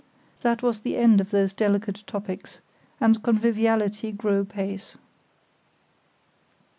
That was the end of those delicate topics; and conviviality grew apace.